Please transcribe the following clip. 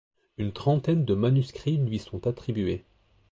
Une trentaine de manuscrits lui sont attribués.